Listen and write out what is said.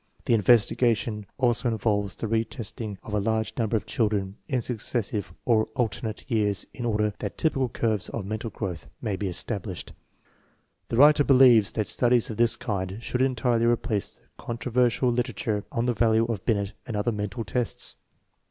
The investigation also involves the re testing of a large number of children in successive or alternate years in order that typical curves of mental growth may be established. The writer believes that studies of this kind should entirely replace the controversial litera ture on the value of Binet and other mental tests.